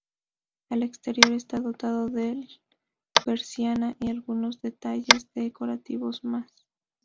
Al exterior está dotado de persiana y algunos detalles decorativos más.